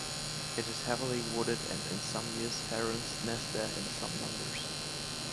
It is heavily wooded and in some years herons nest there in some numbers.